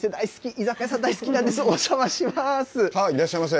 居酒屋さん大好きなんです、お邪いらっしゃいませ。